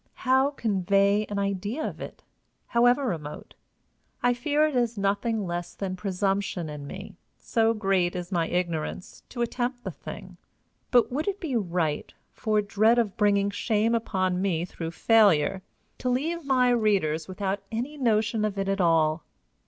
how convey an idea of it, however remote? I fear it is nothing less than presumption in me, so great is my ignorance, to attempt the thing. But would it be right, for dread of bringing shame upon me through failure, to leave my readers without any notion of it at all?